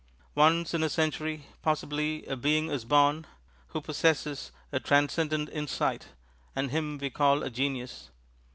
Once in a century, possibly, a being is born who possesses a transcendent insight, and him we call a "genius."